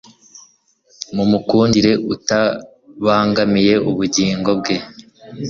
Mumukundire utabangamiye ubugingo bwe